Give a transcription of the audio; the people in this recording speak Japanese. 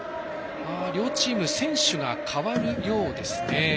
両チーム選手が代わるようですね。